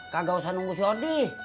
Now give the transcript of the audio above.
kagak usah nunggu si odih